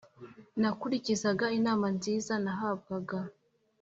nakurikizaga inama nziza nahabwaga